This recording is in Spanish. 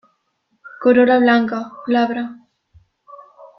Corola blanca, glabra.